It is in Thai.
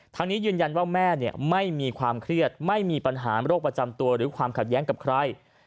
ทางนี้ยืนยันว่าแม่ไม่มีความเครียดไม่มีปัญหาโรคประจำตัวหรือความขัดแย้งกับใคร